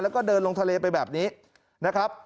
แล้วก็เดินลงทะเลไปแบบนี้นะครับ